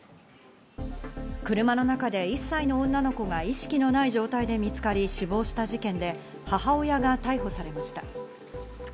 車の中で１歳の女の子が意識のない状態で見つかり死亡した事件で、母親が逮捕されました。